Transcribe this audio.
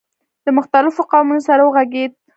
له مختلفو قومونو سره وغږېد.